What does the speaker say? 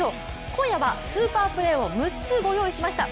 今夜はスーパープレーを６つご用意しました。